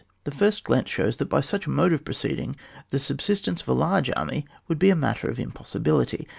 The first glance shows that by such a mode of proceeding the subsistence of a large army would be a mat ter of impossibility.